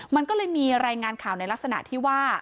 มันก็เลยมีรายงานข่าวในลักษณะที่ว่า